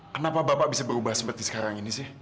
kenapa bapak bisa berubah seperti sekarang ini sih